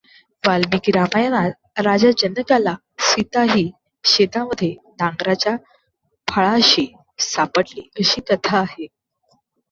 वाल्मिकी रामायणात राजा जनकाला सीता ही शेतामध्ये नांगराच्या फाळाशी सापडली अशी कथा आहे.